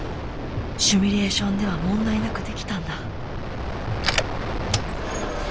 シミュレーションでは問題なくできたんだ。